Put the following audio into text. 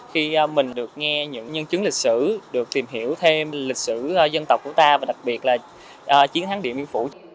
khi mình được nghe những nhân chứng lịch sử được tìm hiểu thêm lịch sử dân tộc của ta và đặc biệt là chiến thắng điện biên phủ